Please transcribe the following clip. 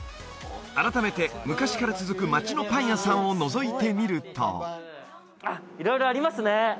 改めて昔から続く町のパン屋さんをのぞいてみるとあっ色々ありますね